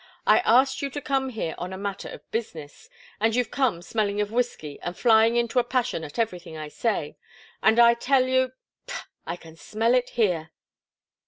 "I asked you to come here on a matter of business and you've come smelling of whiskey and flying into a passion at everything I say and I tell you pah! I can smell it here!"